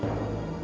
ya udah yuk